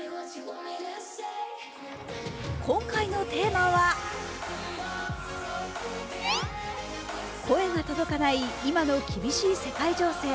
今回のテーマは声が届かない今の厳しい世界情勢。